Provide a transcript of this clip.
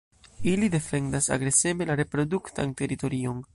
Ili defendas agreseme la reproduktan teritorion.